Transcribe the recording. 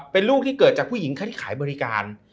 เป็นลูกที่เกิดจากผู้หญิงท่านที่ขายบริการ